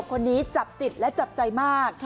คนนี้จับจิตและจับใจมาก